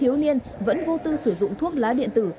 thiếu niên vẫn vô tư sử dụng thuốc lá điện tử